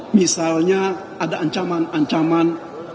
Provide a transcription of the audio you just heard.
misalnya ada ancaman ancaman